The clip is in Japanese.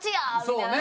そうね。